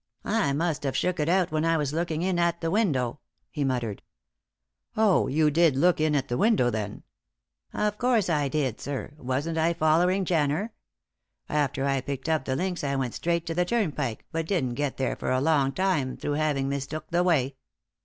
"I must have shook it out when I was looking in at the window," he muttered. "Oh, you did look in at the window, then?" "Of course I did, sir. Wasn't I follering Jenner? After I picked up the links I went straight to the Turnpike but didn't get there for a long time through having mistook the way.